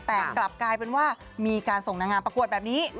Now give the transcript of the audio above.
แต่กลับกลายเป็นว่ามีการส่งนางงามประกวดแบบนี้